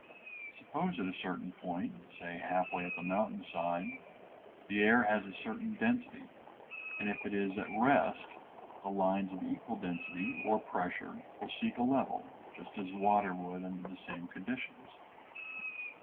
Suppose at a certain point, say halfway up a mountain side, the air has a certain density, and if it is at rest the lines of equal density or pressure will seek a level, just as water would under the same conditions.